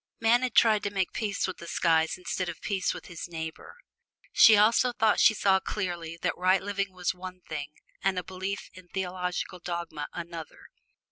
Man had tried to make peace with the skies instead of peace with his neighbor. She also thought she saw clearly that right living was one thing, and a belief in theological dogma another.